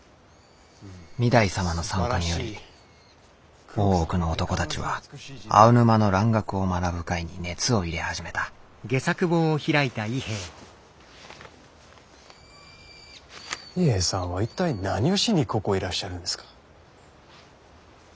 御台様の参加により大奥の男たちは青沼の蘭学を学ぶ会に熱を入れ始めた伊兵衛さんは一体何をしにここへいらっしゃるんですか？